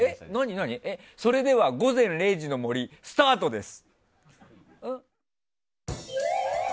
それでは「午前０時の森」スタートです。